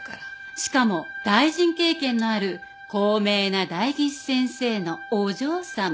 しかも大臣経験のある高名な代議士先生のお嬢様。